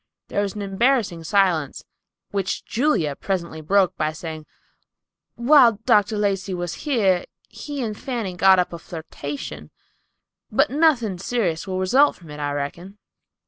There was an embarrassing silence, which Julia presently broke, by saying, "While Dr. Lacey was here, he and Fanny got up a flirtation; but nothing serious will result from it, I reckon."